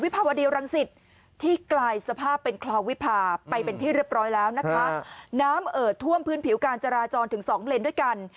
ไปเป็นที่เรียบร้อยแล้วน้ำเอิดท่วมพื้นผิวการจราจรถึง๒เลนด้วยกัน